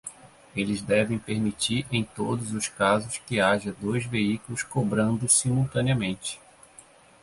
Eles devem permitir em todos os casos que haja dois veículos cobrando simultaneamente.